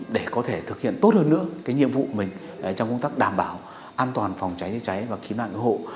để có thể thực hiện tốt hơn nữa cái nhiệm vụ mình trong công tác đảm bảo an toàn phòng cháy chữa cháy và cứu nạn cứu hộ